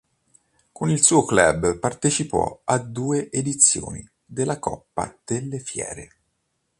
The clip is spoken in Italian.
Con il suo club partecipò a due edizioni della Coppa delle Fiere.